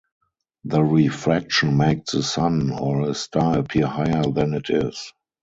The refraction makes the sun or a star appear higher than it is.